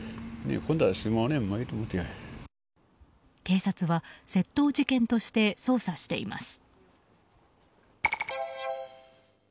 警察は窃盗事件として捜査しています。